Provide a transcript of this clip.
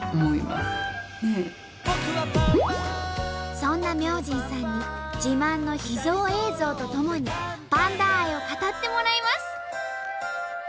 そんな明神さんに自慢の秘蔵映像とともにパンダ愛を語ってもらいます。